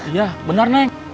iya benar neng